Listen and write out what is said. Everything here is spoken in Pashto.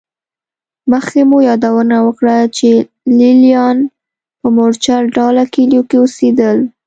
مخکې مو یادونه وکړه چې لېلیان په مورچل ډوله کلیو کې اوسېدل